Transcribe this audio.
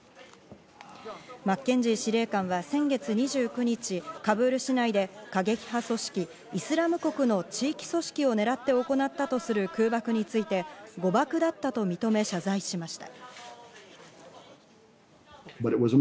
マッケンジー司令官は先月２９日、カブール市内で過激派組織・イスラム国の地域組織を狙って行ったとする空爆について誤爆だったと認め、謝罪しました。